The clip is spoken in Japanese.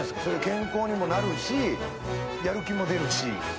健康にもなるしやる気も出るし。